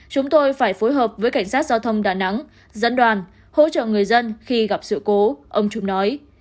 chúng tôi phải phối hợp với cảnh sát giao thông đà nẵng dẫn đoàn hỗ trợ người dân khi gặp sự cố ông trung nói